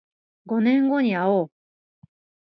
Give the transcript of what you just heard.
五年後にあおう